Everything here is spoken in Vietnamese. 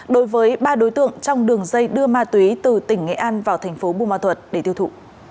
đối với ba đối tượng trong đường dây đưa ma túy từ tỉnh nghệ an vào tp bùn ma thuật để tiêu thụ